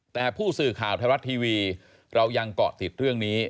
แต่ผู้สื่อข่าวไทยรัฐทีวีเรายังเกาะติดเรื่องนี้